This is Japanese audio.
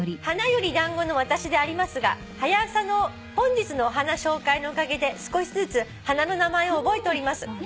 花より団子の私でありますが『はや朝』の本日のお花紹介のおかげで少しずつ花の名前を覚えております」